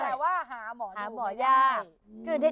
แต่ว่าหาหมอดูแย่